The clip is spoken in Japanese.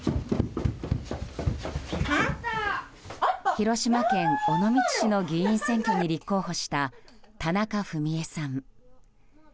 広島県尾道市の議員選挙に立候補した田中芙実枝さん。